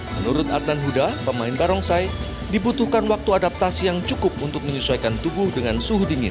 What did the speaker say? menurut adnan huda pemain barongsai dibutuhkan waktu adaptasi yang cukup untuk menyesuaikan tubuh dengan suhu dingin